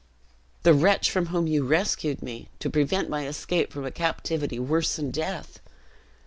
"The wretch from whom you rescued me to prevent my escape from a captivity worse than death."